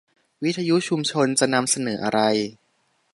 วิทยุชุมชนจะนำเสนออะไร